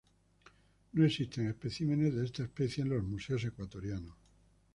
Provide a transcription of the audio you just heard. No existen especímenes de esta especie en los museos ecuatorianos.